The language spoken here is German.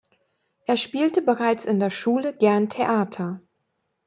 Er spielte bereits in der Schule gern Theater.